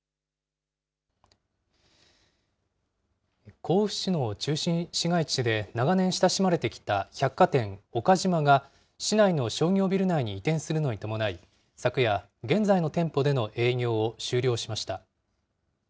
甲府市の中心市街地で長年親しまれてきた百貨店、岡島が市内の商業ビル内に移転するのに伴い、昨夜、現在の店舗での営業を終了しました。